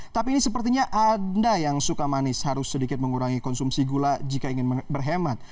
tapi ini sepertinya ada yang suka manis harus sedikit mengurangi konsumsi gula jika ingin berhemat